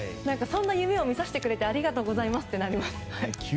そんな夢を見させてくれてありがとうございますとなりますね。